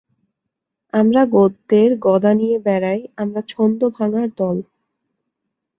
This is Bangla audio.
আমরা গদ্যের গদা নিয়ে বেড়াই, আমরা ছন্দ ভাঙার দল।